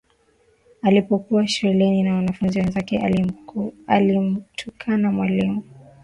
Alipokuwa shuleni na wanafunzi wenzake alimtukana mwalimu